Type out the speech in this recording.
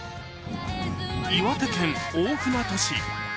岩手県大船渡市。